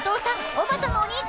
おばたのお兄さん］